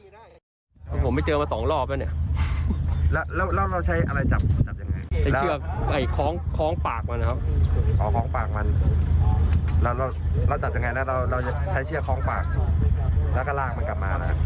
เราจัดยังไงนะเราใช้เชื่อคล้องปากแล้วก็ลากมันกลับมานะครับ